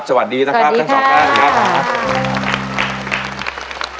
สวัสดีนะครับทั้งสองแก่สวัสดีครับ